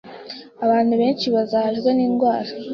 Abantu benshi bazahajwe n’indwara,